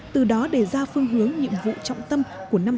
từ đó để ra phương hướng nhiệm vụ trọng tâm của năm hai nghìn một mươi bảy